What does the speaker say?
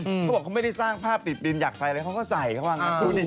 เขาบอกเขาไม่ได้สร้างผ้าติดดินอยากใส่อะไรเขาก็ใส่เขาของเขา